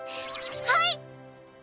はい！